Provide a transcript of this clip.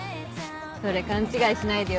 それ勘違いしないでよ